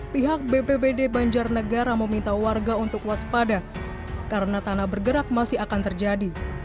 pihak bpbd banjarnegara meminta warga untuk waspada karena tanah bergerak masih akan terjadi